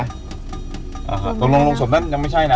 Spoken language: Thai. อ่ะค่ะตรงโรงศพนั้นยังไม่ใช่นะ